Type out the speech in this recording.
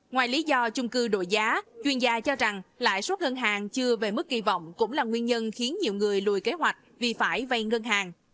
ngoài lý do chung cư đổi giá chuyên gia cho rằng lãi suất ngân hàng chưa về mức kỳ vọng cũng là nguyên nhân khiến nhiều người lùi kế hoạch vì phải vay ngân hàng